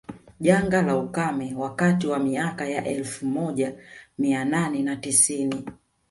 Janga la ukame wakati wa miaka ya elfu moja mia nane na tisini